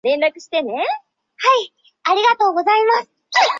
中国现代诗人。